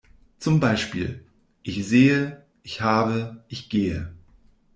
Zum Beispiel: Ich sehe, ich habe, ich gehe.